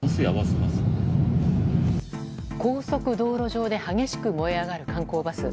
高速道路上で激しく燃え上がる観光バス。